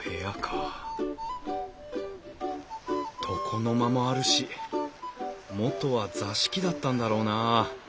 床の間もあるし元は座敷だったんだろうなあ。